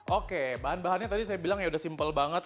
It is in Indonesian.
oke bahan bahannya tadi saya bilang ya udah simpel banget